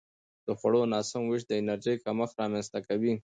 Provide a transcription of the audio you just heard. د خوړو ناسم وېش د انرژي کمښت رامنځته کوي.